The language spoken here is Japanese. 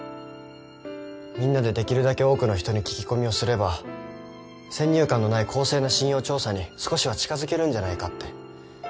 みんなでできるだけ多くの人に聞き込みをすれば先入観のない公正な信用調査に少しは近づけるんじゃないかって。